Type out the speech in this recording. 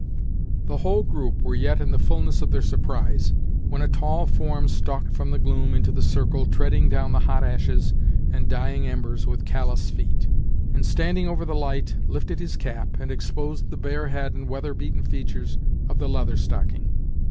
The whole group were yet in the fullness of their surprise, when a tall form stalked from the gloom into the circle, treading down the hot ashes and dying embers with callous feet; and, standing over the light, lifted his cap, and exposed the bare head and weather beaten features of the Leather Stocking.